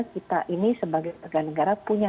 kita ini sebagai negara punya